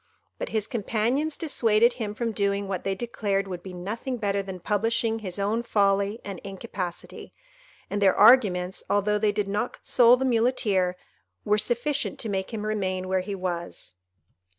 But his companions dissuaded him from doing what they declared would be nothing better than publishing his own folly and incapacity; and their arguments, although they did not console the Muleteer, were sufficient to make him remain where he was.